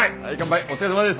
お疲れさまです！